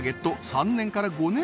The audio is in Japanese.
３年から５年